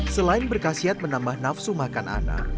selain berkasiat menambah nafsu makan anak